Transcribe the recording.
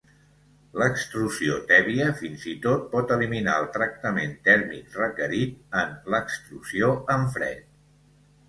L'extrusió tèbia fins i tot pot eliminar el tractament tèrmic requerit en l'extrusió en fred.